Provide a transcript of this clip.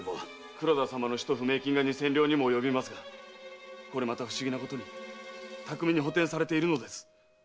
黒田様の使途不明金が二千両にも及びますが不思議なことに巧みに補填されているのです。